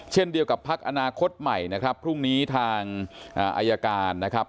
เช่นเดียวกับพักอนาคตใหม่นะครับพรุ่งนี้ทางอายการนะครับ